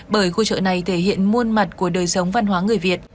bởi khu chợ này thể hiện muôn mặt của đời sống văn hóa người việt